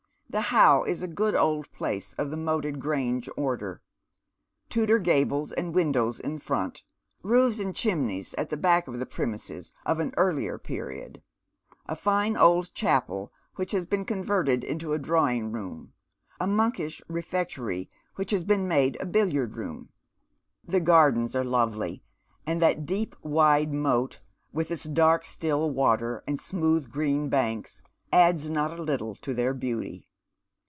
The How is a good old place of the moated grange order. Tudor gables and windows in front ; roofs and chimneys at the back of the premises of an earher period ; a fine old chapel, which has been converted into a drawing room ; a monkish refectory, which has been made a billiard room. The gardens are lovely, and that deep wide moat, with its dark still water and smooth green banks, adds not a little to their beauty.